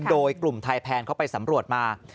โดยกลุ่มไทยแพนเขาไปสำรวจมา